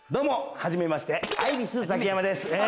はじめましてアイリスザキヤマです！